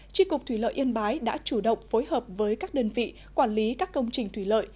tri cục thủy lợi yên bái đã chủ động phối hợp với các đơn vị quản lý các công trình thủy lợi